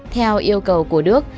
theo yêu cầu của đức